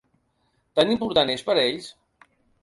Tan important és per a ells?